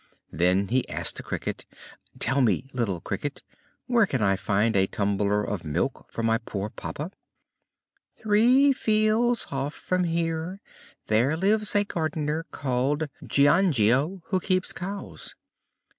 Then he asked the Cricket: "Tell me, little Cricket, where can I find a tumbler of milk for my poor papa?" "Three fields off from here there lives a gardener called Giangio, who keeps cows.